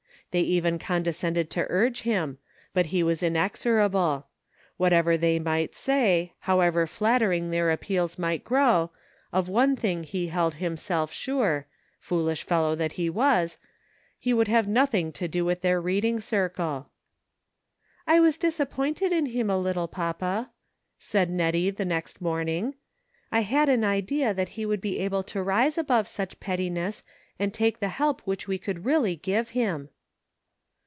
They even condescended to urge him, but he was inex orable. Whatever they might say, however flatter ing their appeals might grow, of one thing he held himself sure, — foolish fellow that he was, — he would have nothing to do with their reading circle. " I was disappointed in him, a little, papa," Nettie said the next morning. " I had an idea that he would be able to rise above such pettiness and take the help which we could really give him."